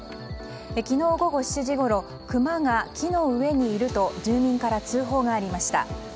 昨日午後７時ごろクマが木の上にいると住民から通報がありました。